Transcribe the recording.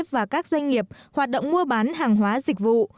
và các doanh nghiệp hoạt động mua bán hàng hóa dịch vụ